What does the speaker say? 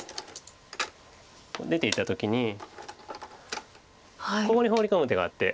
出ていった時にここにホウリ込む手があって。